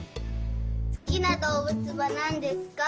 すきなどうぶつはなんですか？